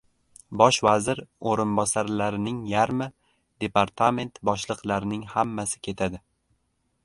Bosh vazir oʻrinbosarlarining yarmi, departament boshliqlarining hammasi ketadi.